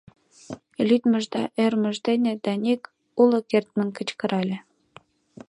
Лӱдмыж да ӧрмыж дене Даник уло кертмын кычкырале.